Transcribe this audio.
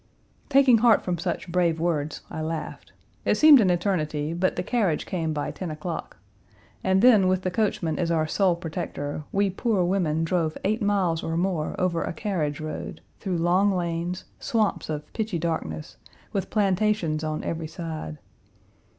Taking heart from such brave words I laughed. It seemed an eternity, but the carriage came by ten o'clock, and then, with the coachman as our sole protector, we poor women drove eight miles or more over a carriage road, through long lanes, swamps of pitchy darkness, with plantations on every side.